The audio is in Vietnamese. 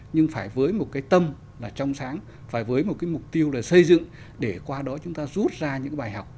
nhưng phải với một cái tâm là trong sáng phải với một cái mục tiêu là xây dựng để qua đó chúng ta rút ra những cái bài học